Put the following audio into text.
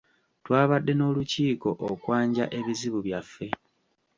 Twabadde n'olukiiko okwanja ebizibu byaffe.